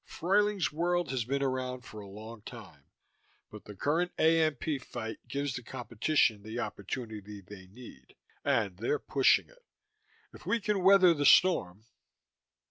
Fruyling's World has been around for a long time, but the current AMP fight gives the competition the opportunity they need, and they're pushing it. If we can weather the storm....